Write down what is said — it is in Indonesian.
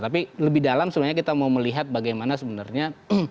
tapi lebih dalam sebenarnya kita mau melihat bagaimana sebenarnya